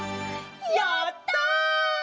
やった！